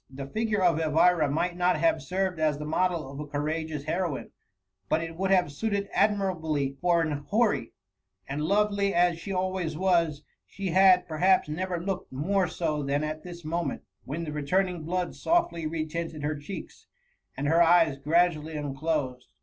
The figure of Elvira might not have served as the model of a courageous heroine, but it would have suited admirably for an Houri ; and lovely as she always was, she THE MUUAIY. 29^ had perhaps never looked more so than at this moment, when die returning blood softly retint ed her cheeks, and her eyes gradually unelosed.